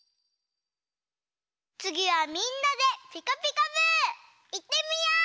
つぎはみんなで「ピカピカブ！」いってみよう！